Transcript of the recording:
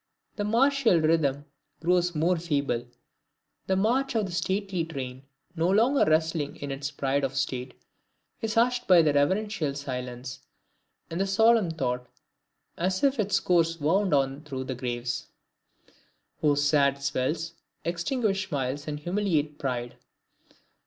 The martial rhythm grows more feeble; the march of the stately train, no longer rustling in its pride of state, is hushed in reverential silence, in solemn thought, as if its course wound on through graves, whose sad swells extinguish smiles and humiliate pride.